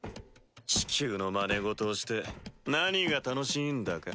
地球のまね事をして何が楽しいんだか。